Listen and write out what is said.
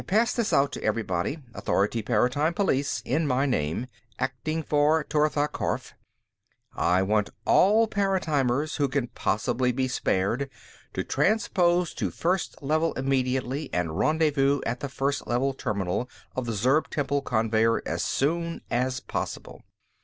Pass this out to everybody, authority Paratime Police, in my name, acting for Tortha Karf. I want all paratimers who can possibly be spared to transpose to First Level immediately and rendezvous at the First Level terminal of the Zurb temple conveyer as soon as possible.